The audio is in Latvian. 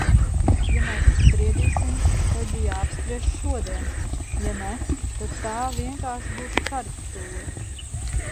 Ja mēs spriedīsim, tad jāapspriež šodien, ja ne, tad tā vienkārši būs karikatūra.